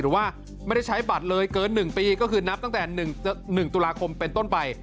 หรือว่าไม่ได้ใช้บัตรเลยเกิน๑ปีก็คือนับตั้งแต่๑ตุลาคมเป็นต้นไป